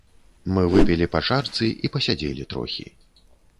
Мы выпілі па чарцы і пасядзелі трохі.